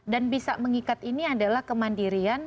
bisa mengikat ini adalah kemandirian